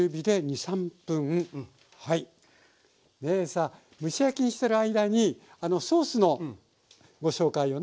でさあ蒸し焼きにしてる間にソースのご紹介をねお願いしましょう。